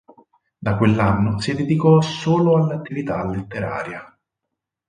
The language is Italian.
Da quell'anno si dedicò solo all'attività letteraria.